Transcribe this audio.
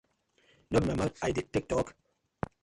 No be my mouth I dey tak tok?